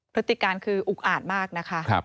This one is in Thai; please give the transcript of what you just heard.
พฤติการคืออุกอาดมากนะคะ